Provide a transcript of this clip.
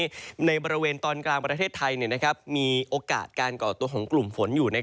ในบริเวณตอนกลางประเทศไทยมีโอกาสการก่อตัวของกลุ่มฝนอยู่